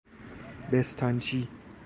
بستانچی